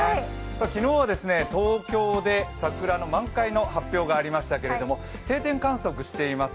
昨日は東京で桜の満開の発表がありましたけれども定点観測しています